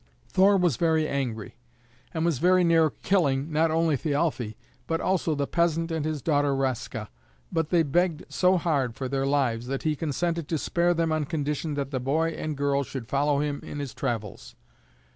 Thor was very angry, and was very near killing not only Thialfe but also the peasant and his daughter Raska, but they begged so hard for their lives that he consented to spare them on condition that the boy and girl should follow him in his travels.